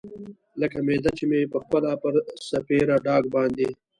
لکه معده چې مې پخپله پر سپېره ډاګ باندې.